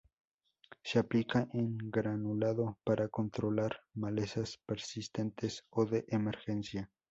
Se aplica en granulado para controlar malezas persistentes o de emergencia.